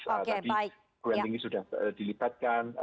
tadi guantanimis sudah dilibatkan